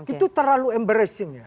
itu terlalu embarrassing ya